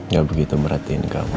gak begitu merhatiin kamu